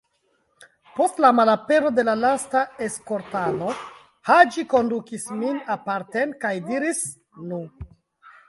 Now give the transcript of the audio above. Post la malapero de la lasta eskortano, Haĝi kondukis min aparten kaj diris: "Nu!"